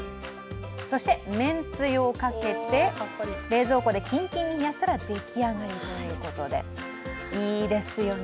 そしてめんつゆをかけて冷蔵庫でキンキンに冷やしたらできあがりということで、いいですよね。